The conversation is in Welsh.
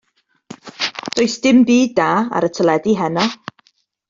Does dim byd da ar y teledu heno.